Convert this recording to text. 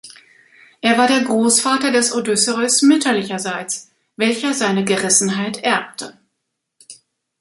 Er war der Großvater des Odysseus mütterlicherseits, welcher seine Gerissenheit erbte.